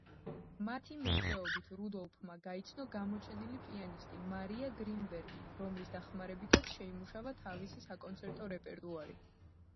მათი მეშვეობით, რუდოლფმა გაიცნო გამოჩენილი პიანისტი მარია გრინბერგი, რომლის დახმარებითაც შეიმუშავა თავისი საკონცერტო რეპერტუარი.